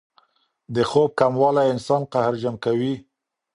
د خوب کموالی انسان قهرجن کوي.